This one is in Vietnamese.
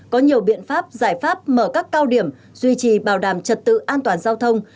có nhiều biện pháp giải pháp mở các cao điểm duy trì bảo đảm trật tự an toàn giao thông